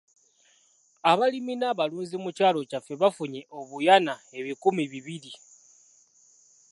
Abalimi n'abalunzi mu kyalo kyaffe bafunye obuyana ebikumi bibiri.